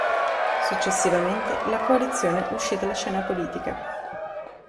Successivamente la coalizione uscì dalla scena politica.